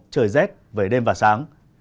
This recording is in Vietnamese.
trời rét về đêm và sáng